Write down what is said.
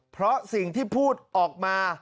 เพราะสิ่งที่พูดออกมา